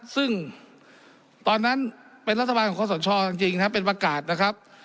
ซึ่งตอนนั้นเป็นรัฐบาลของคอสชจริงนะครับเป็นประกาศนะครับ